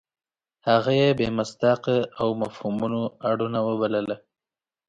هغه یې بې مصداقه او مفهومونو اړونه وبلله.